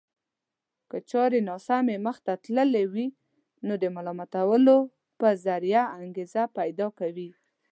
که چارې ناسمې مخته تللې وي نو د ملامتولو په ذريعه انګېزه پيدا کوي.